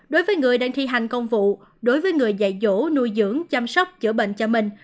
đối với người đang thi hành công vụ đối với người dạy dỗ nuôi dưỡng chăm sóc chữa bệnh cho mình